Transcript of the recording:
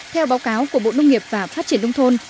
theo báo cáo của bộ nông nghiệp và phát triển nông thôn